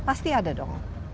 pasti ada dong